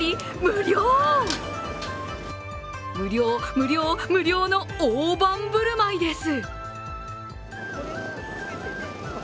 無料、無料、無料の大盤振る舞いです。